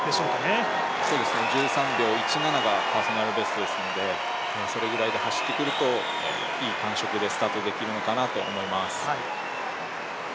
１３秒１７がパーソナルベストですので、それくらいで走ってくるといい感触かなと思います。